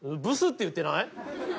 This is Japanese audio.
「ブス」って言ってない？